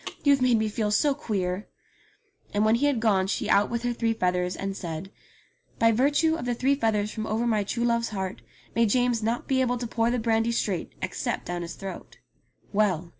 You've made me feel so queer !" And when he had gone she out with her three feathers, and said, "By virtue of the three feathers from over my true love's heart may James not be able to pour the brandy straight, except down his throat." Well